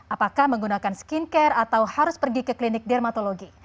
apakah menggunakan skincare atau harus pergi ke klinik dermatologi